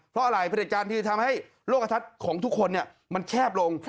เพราะอะไรประเด็จการที่จะทำให้โลกกระทัดของทุกคนมันแคบลง